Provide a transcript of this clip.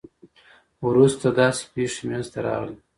وروسته داسې پېښې منځته راغلې.